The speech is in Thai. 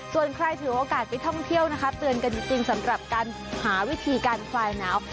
ส่วนใครถือโอกาสไปท่องเที่ยวนะคะเตือนกันจริงสำหรับการหาวิธีการคลายหนาว